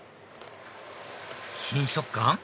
新食感？